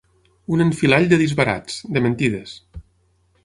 Un enfilall de disbarats, de mentides.